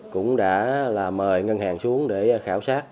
cũng đã mời ngân hàng xuống để khảo sát